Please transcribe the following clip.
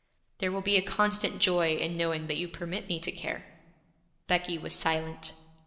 'There will be a constant joy in knowing that you permit me to care.' Becky was silent.